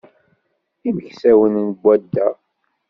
Imeksawen n wadda.